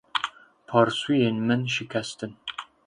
Parsûyên min şikestin.